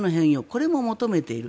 これも求めている。